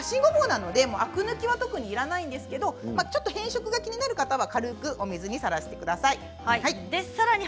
新ごぼうなのでアク抜きは特にいらないんですけれど変色が気になる方は軽く水にさらしてください。